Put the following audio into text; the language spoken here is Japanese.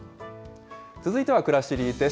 続いてはくらしりです。